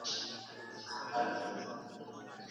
تاسي ولي ماشومان بېدوئ؟